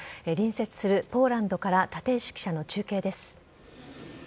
隣接するポーランドから立石記者の中継です。